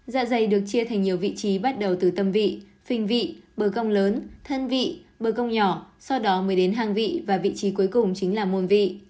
dạ dày được chia thành nhiều vị trí bắt đầu từ tâm vị phinh vị bờ cong lớn thân vị bờ công nhỏ sau đó mới đến hàng vị và vị trí cuối cùng chính là môn vị